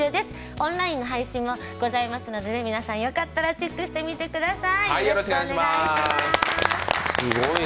オンラインの配信もございますので、皆さんよかったらチェックしてみてください